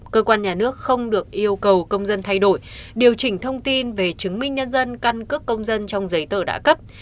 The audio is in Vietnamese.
cơ quan nhà nước không được yêu cầu công dân thay đổi điều chỉnh thông tin về chứng minh nhân dân căn cước công dân trong giấy tờ đã cấp